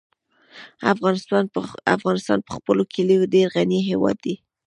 افغانستان په خپلو کلیو ډېر غني هېواد دی.